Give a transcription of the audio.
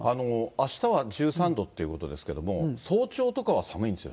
あしたは１３度ってことですけども、早朝とかは寒いんですよ